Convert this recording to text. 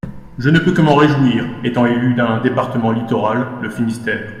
Je ne peux que m’en réjouir, étant élue d’un département littoral, le Finistère.